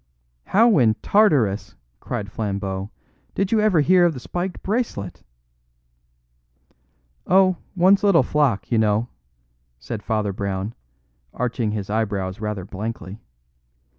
"How in Tartarus," cried Flambeau, "did you ever hear of the spiked bracelet?" "Oh, one's little flock, you know!" said Father Brown, arching his eyebrows rather blankly.